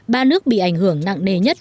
ba nước bị ảnh hưởng nặng nề nhất